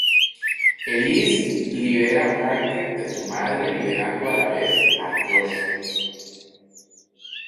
Elise libera a Parker de su madre liberando a la vez a Josh.